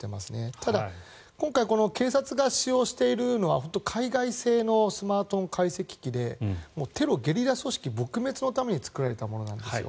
ただ、今回警察が使用しているのは海外製のスマートフォン解析機でテロ、ゲリラ組織撲滅のために作られたものなんですよ。